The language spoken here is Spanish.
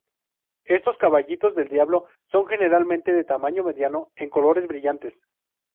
Estos caballitos del diablo son generalmente de tamaño mediano con colores brillantes.